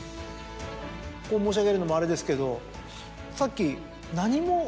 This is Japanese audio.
申し上げるのもあれですけどさっき。